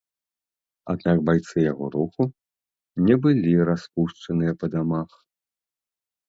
Аднак байцы яго руху не былі распушчаныя па дамах.